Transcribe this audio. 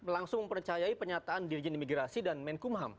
langsung mempercayai penyataan dirjen imigrasi dan menkumham